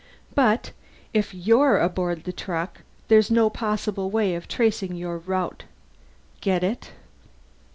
But if you're aboard the truck, there's no possible way of tracing your route. Get it?"